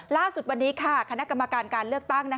ล่าสุดวันนี้คณะกรรมการการเลือกตั้ง